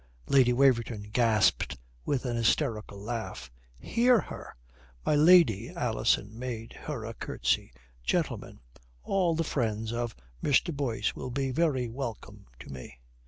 Lady Waverton gasped with an hysterical laugh. "Hear her!" "My lady" Alison made her a curtsy "gentlemen all the friends of Mr. Boyce will be very welcome to me."